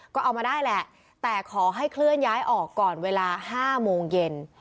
ก็เอามาได้แหละแต่ขอให้เคลื่อนย้ายออกก่อนเวลา๕โมงเย็น